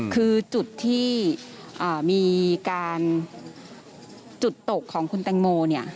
คือจุดที่มีการจุดตกของคุณแตงโมเนี่ย